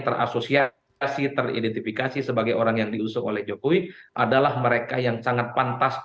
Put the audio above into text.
terasosiasi teridentifikasi sebagai orang yang diusung oleh jokowi adalah mereka yang sangat pantas